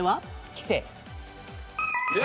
棋聖。